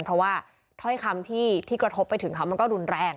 เพราะว่าถ้อยคำที่กระทบไปถึงเขามันก็รุนแรง